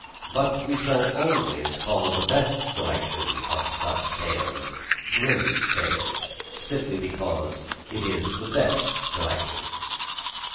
But we shall always call the best selection of such tales "Grimm's Tales": simply because it is the best collection.